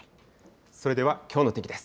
それではきょうの天気です。